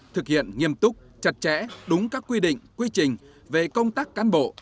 thực hiện nghiêm túc chặt chẽ đúng các quy định quy trình về công tác cán bộ